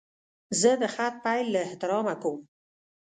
زه د خط پیل له احترامه کوم.